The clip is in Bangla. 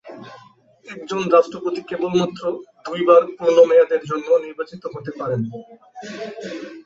একজন রাষ্ট্রপতি কেবল মাত্র দুইবার পূর্ণ মেয়াদের জন্য নির্বাচিত হতে পারেন।